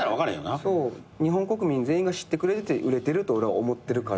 日本国民全員が知ってくれてて売れてると俺は思ってるから。